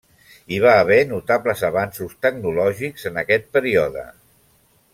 Hi va haver notables avanços tecnològics en aquest període.